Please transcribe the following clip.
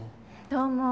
どうも。